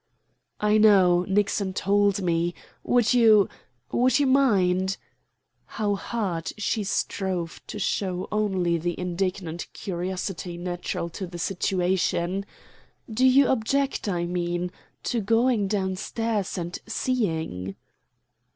"I know; Nixon told me. Would you would you mind," how hard she strove to show only the indignant curiosity natural to the situation "do you object, I mean, to going down and seeing?"